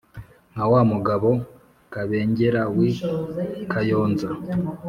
nka wa mugabo kabengera wi kaynza.